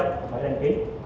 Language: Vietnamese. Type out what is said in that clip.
phải đăng ký